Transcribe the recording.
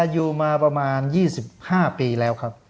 อยู่มาประมาณ๒๕ปีแล้วครับ